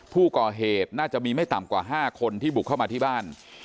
ผู้ก่อเหตุน่าจะมีไม่ต่ำกว่า๕คนที่บุกเข้ามาที่บ้าน